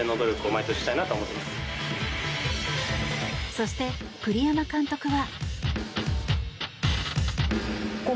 そして、栗山監督は。